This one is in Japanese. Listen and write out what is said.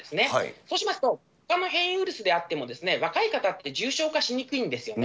そうしますと、ほかの変異ウイルスであっても、若い方って重症化しにくいんですよね。